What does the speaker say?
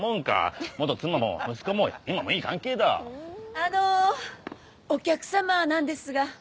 ・あの！お客さまなんですが。